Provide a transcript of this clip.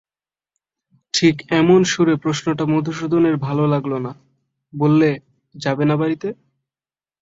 ঠিক এমন সুরে প্রশ্নটা মধুসূদনের ভালো লাগল না, বললে, যাবে না বাড়িতে?